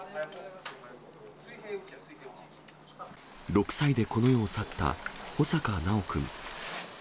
６歳でこの世を去った穂坂修くん。